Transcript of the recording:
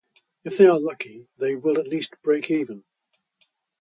If they are lucky, they will at least break even.